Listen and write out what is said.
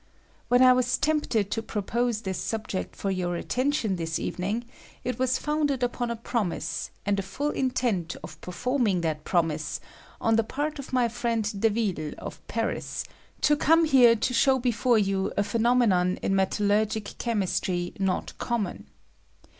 "When I was tempted to propose this subject for your attention this evening, it was founded upon a proEiiae, and a full intent of performing that promise, on the part of my friend Deville, of Paris, to come here to show before you a phenomenon in metallurgic chemistry not eom moD.